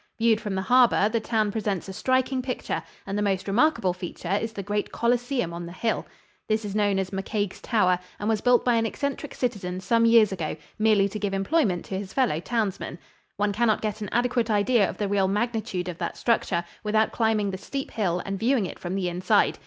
Viewed from the harbor, the town presents a striking picture, and the most remarkable feature is the great colosseum on the hill. This is known as McCaig's Tower and was built by an eccentric citizen some years ago merely to give employment to his fellow townsmen. One cannot get an adequate idea of the real magnitude of the structure without climbing the steep hill and viewing it from the inside.